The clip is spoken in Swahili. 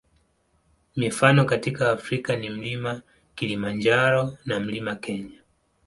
Mifano katika Afrika ni Mlima Kilimanjaro na Mlima Kenya.